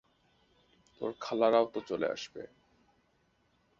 তোর খালারাও তো চলে আসবে।